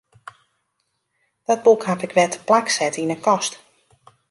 Dat boek haw ik wer teplak set yn 'e kast.